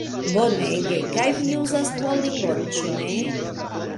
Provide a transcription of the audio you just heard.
Bonege, kaj vi uzas Duolingon ĉu ne?